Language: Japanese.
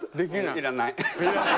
要らない。